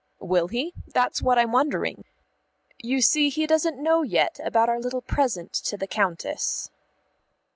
"Will he? That's what I'm wondering. You see he doesn't know yet about our little present to the Countess."